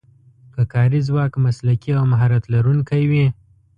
که کاري ځواک مسلکي او مهارت لرونکی وي.